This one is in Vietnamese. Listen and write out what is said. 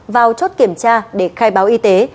vào chốt kiểm tra để khai báo y tế